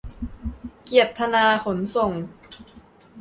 เกียรติธนา ขนส่ง